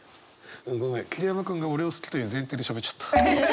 ごめん桐山君が俺を好きという前提でしゃべっちゃった。